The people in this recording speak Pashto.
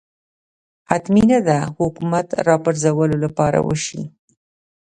حتمي نه ده حکومت راپرځولو لپاره وشي